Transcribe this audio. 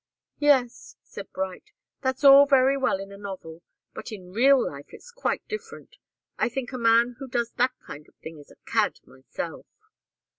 "Yes," said Bright. "That's all very well in a novel. But in real life it's quite different. I think a man who does that kind of thing is a cad, myself."